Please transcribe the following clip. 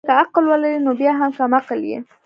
که عقل ولري نو بيا هم کم عقل يي